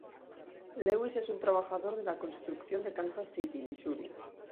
Lewis es un trabajador de la construcción de Kansas City, Missouri.